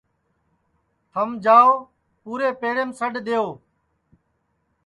تھم جاؤ پُورے پیڑیم سڈؔ دؔیئو